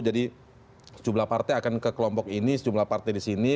jadi sejumlah partai akan ke kelompok ini sejumlah partai di sini